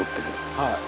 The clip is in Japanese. はい。